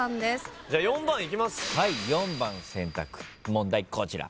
問題こちら。